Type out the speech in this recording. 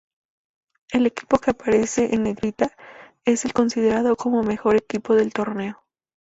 El equipo que aparece en Negrita es el considerado como mejor equipo del torneo.